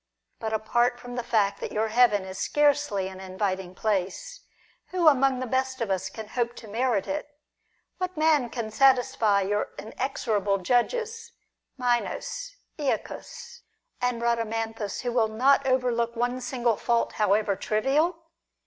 But, apart from the fact that your heaven is scarcely an inviting place, who among the best of us can hope to merit it ? What man can satisfy your inexorable judges, Minos, Eacus, and Ehadamanthus, who will not overlook one single fault, however trivial